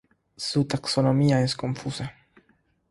Su taxonomía es confusa.